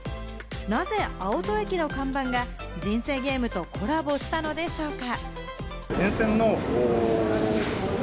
なぜ青砥駅の看板が『人生ゲーム』とコラボしたのでしょうか？